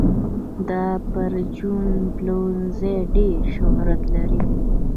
دا پرچون پلورنځی ډېر شهرت لري.